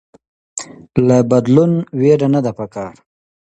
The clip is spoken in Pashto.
له بدلون ويره نده پکار